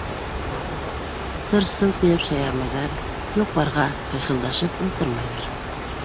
Сыр-сыу килеп шаярмайҙар, юҡ-барға хихылдашып ултырмайҙар.